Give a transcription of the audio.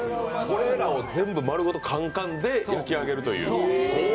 これらを全部丸ごとカンカンで焼き上げるという。